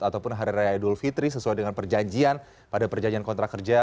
ataupun hari raya idul fitri sesuai dengan perjanjian pada perjanjian kontrak kerja